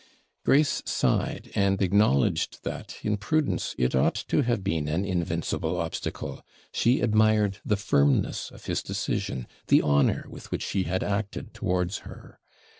Grace sighed, and acknowledged that, in prudence, it ought to have been an INVINCIBLE obstacle she admired the firmness of his decision, the honour with which he had acted towards her.